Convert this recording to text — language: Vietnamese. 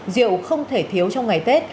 rượu không thể thiếu trong ngày tết